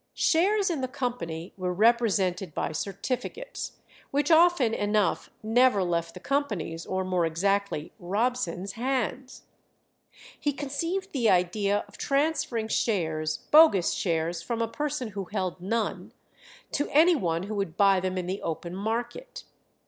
Shares in the company were represented by certificates, which often enough never left the company's, or more exactly Robson's, hands. He conceived the idea of transferring shares, bogus shares from a person who held none, to any one who would buy them in the open market.